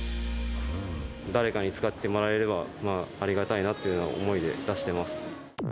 誰かに使ってもらえれば、ありがたいなという思いで出してます。